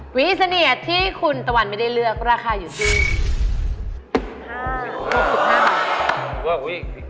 วีเสนียดที่คุณตะวันไม่ได้เลือกราคาอยู่ที่๕๖๕บาท